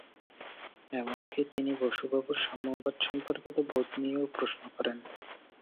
এমনকি তিনি বসু বাবুর সাম্যবাদ সম্পর্কিত বোধ নিয়েও প্রশ্ন করেন।